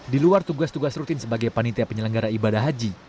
di luar tugas tugas rutin sebagai panitia penyelenggara ibadah haji